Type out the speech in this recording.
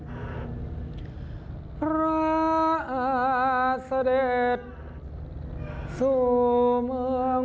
เอยพระเสด็จสู่เมืองบนรัม